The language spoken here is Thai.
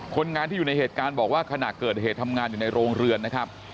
คนงานที่อยู่ในเหตุการณ์บอกว่าขณะเกิดเหตุทำงานอยู่ในโรงเรือนนะครับ